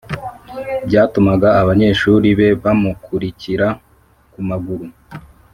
byatumaga abanyeshuri be bamukurikira ku maguru